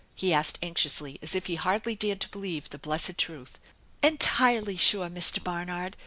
" he asked anxiously as if he hardly dared to believe the blessed truth. " Entirely sure, Mr. Barnard